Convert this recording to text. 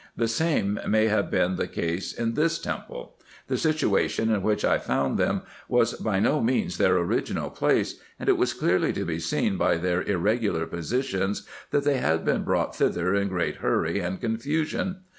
The same may have been the case in this temple. The situation in which I found them was by no means their original place, and it was clearly to be seen by their irregular positions, that they had been brought thither in great hurry and confusion.